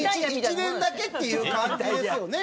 １年だけっていう感じですよね